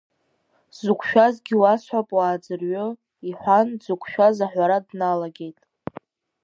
Сзықәшәазгьы уасҳәап уааӡырҩы, — иҳәан, дзықәшәаз аҳәара дналагеит.